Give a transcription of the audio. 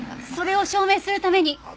それを証明するために。